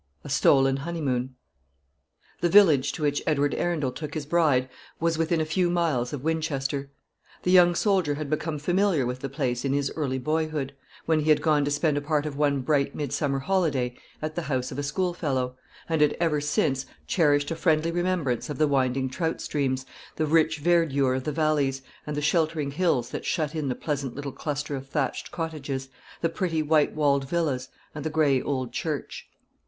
A STOLEN HONEYMOON. The village to which Edward Arundel took his bride was within a few miles of Winchester. The young soldier had become familiar with the place in his early boyhood, when he had gone to spend a part of one bright midsummer holiday at the house of a schoolfellow; and had ever since cherished a friendly remembrance of the winding trout streams, the rich verdure of the valleys, and the sheltering hills that shut in the pleasant little cluster of thatched cottages, the pretty white walled villas, and the grey old church.